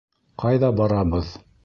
Ҡайҙа барабыҙ?